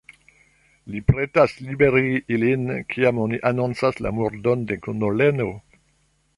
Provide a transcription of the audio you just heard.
Li pretas liberigi ilin, kiam oni anoncas la murdon de kolonelo.